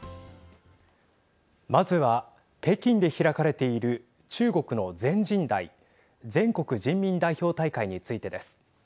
まずは北京で開かれている中国の全人代＝全国人民代表大会についてです。